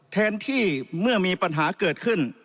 แทนที่เมื่อมีปัญหาเกิดขึ้น